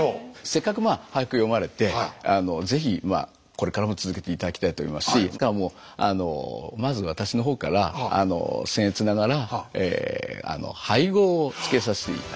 せっかくまあ俳句詠まれて是非これからも続けて頂きたいと思いますしですからもうまず私の方からせん越ながらあらまあ！